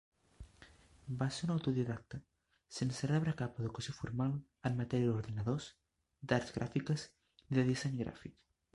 Va ser un autodidacta, sense rebre cap educació formal en matèria d'ordinadors, d'arts gràfiques ni de disseny gràfic.